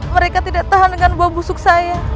mereka tidak tahan dengan buah busuk saya